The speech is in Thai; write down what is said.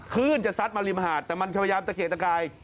คลื่นจะซัดมาริมหาดแต่มันพยายามตะเกียกตะกาย